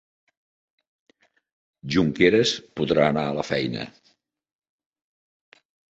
Junqueras podrà anar a la feina